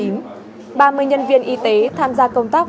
ba mươi nhân viên y tế tham gia công tác